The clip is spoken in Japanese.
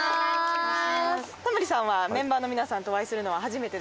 タモリさんはメンバーの皆さんとお会いするのは初めてですか？